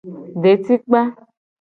Detikpa.